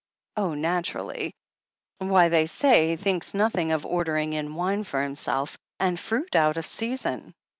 "Oh, naturally. Why, they say he thinks nothing of ordering in wine for himself, and fruit out of season."